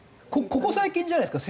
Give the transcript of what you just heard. ここ最近じゃないですか？